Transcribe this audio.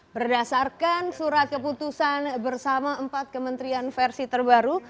berdasarkan surat keputusan bersama empat kementerian versi terbaru